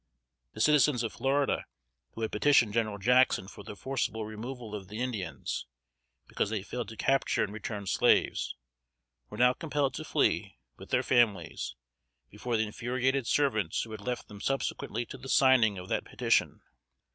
The citizens of Florida who had petitioned General Jackson for the forcible removal of the Indians, because they failed to capture and return slaves, were now compelled to flee, with their families, before the infuriated servants who had left them subsequently to the signing of that petition.